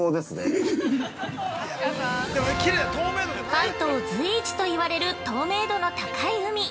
◆関東随一と言われる透明度の高い海。